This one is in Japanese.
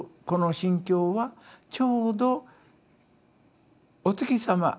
この心境はちょうどお月様